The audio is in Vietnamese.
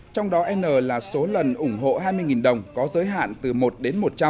trong đó n là số lần ủng hộ hai mươi đồng có giới hạn từ một đến một trăm linh